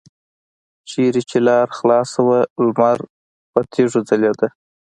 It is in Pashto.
چېرته چې لاره خلاصه وه لمر پر تیږو ځلیده.